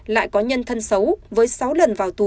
lại có nhân thân xấu với sáu lần vào tù